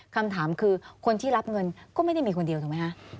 คำถามคือคนที่รับเงินก็ไม่ได้มีคนเดียวถูกไหมคะ